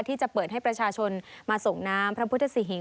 ที่จะเปิดให้ประชาชนมาส่งน้ำพระพุทธศรีหิง